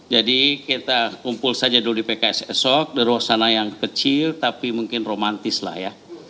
jadi kita kumpul saja dulu di pks esok di ruang sana yang kecil tapi mungkin romantis lah ya